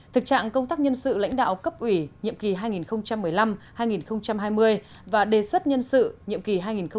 thực trạng công tác nhân sự lãnh đạo cấp ủy nhiệm kỳ hai nghìn một mươi năm hai nghìn hai mươi và đề xuất nhân sự nhiệm kỳ hai nghìn hai mươi hai nghìn hai mươi năm